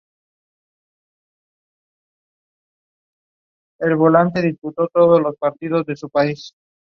It received average ratings from Japanese reviewers.